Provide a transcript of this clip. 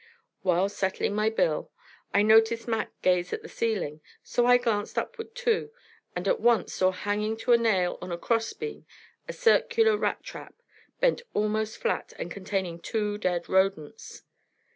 While settling my bill, I noticed Mac gaze at the ceiling, so I glanced upward, too, and at once saw hanging to a nail on a cross beam a circular rat trap, bent almost flat, and containing two dead rodents.